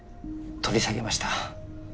取り下げました。